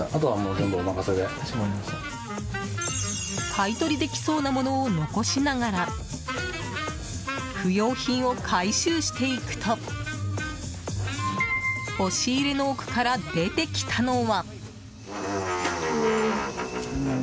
買い取りできそうなものを残しながら不要品を回収していくと押し入れの奥から出てきたのは。